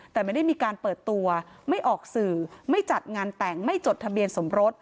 แต่ไม่ได้มีการเปิดตัวไม่ออกสื่อไม่จัดงานแต่งไม่จดทะเบียนสมรส